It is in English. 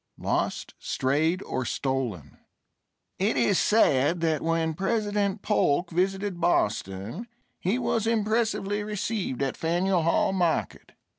LOST, STRAYED OR STOLEN It is said that when President Polk visited Boston he was impressively received at Faneuil Hall Market.